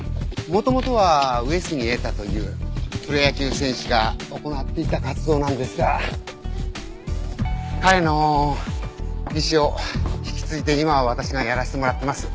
元々は上杉栄太というプロ野球選手が行っていた活動なんですが彼の遺志を引き継いで今は私がやらせてもらってます。